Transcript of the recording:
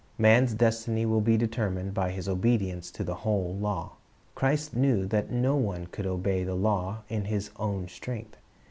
Man's destiny will be determined by his obedience to the whole law. Christ knew that no one could obey the law in his own strength.